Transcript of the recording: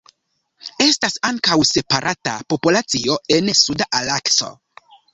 Estas ankaŭ separata populacio en Suda Alasko.